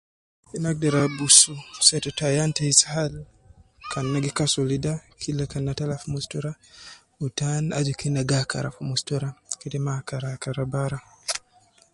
Ina agder abusu setetu ayan te izhar kan ina gi kasulu ida kila kan na tala fi mustura, wu tan aju kena gi akara fi mustura kede maa akara akara bara